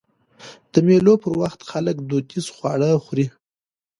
د مېلو پر وخت خلک دودیز خواږه خوري.